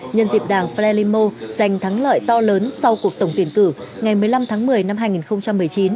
nhân dịp đảng limo giành thắng lợi to lớn sau cuộc tổng tuyển cử ngày một mươi năm tháng một mươi năm hai nghìn một mươi chín